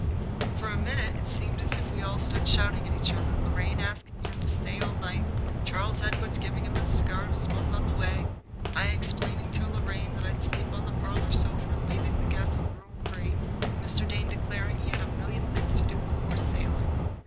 For a minute it seemed as if we all stood shouting at one another, Lorraine asking him to stay all night, Charles Edward giving him a cigar to smoke on the way, I explaining to Lorraine that I'd sleep on the parlor sofa and leave the guest room free, and Mr. Dane declaring he'd got a million things to do before sailing.